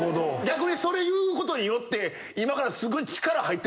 逆にそれ言うことによって。